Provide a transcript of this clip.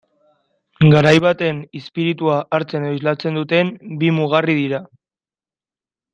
Garai baten izpiritua hartzen edo islatzen duten bi mugarri dira.